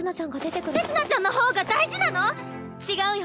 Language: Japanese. せつ菜ちゃんの方が大事なの⁉違うよ。